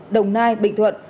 đồng nai bình thuận